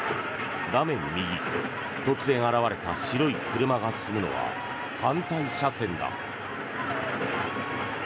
画面右、突然現れた白い車が進むのは反対車線だ。